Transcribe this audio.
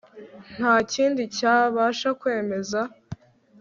Nta kindi cyabasha kwemeza